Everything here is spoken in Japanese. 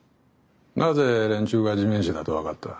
なぜ連中が地面師だと分かった？